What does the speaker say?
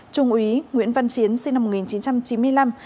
trung úy nguyễn văn chiến sinh năm một nghìn chín trăm chín mươi năm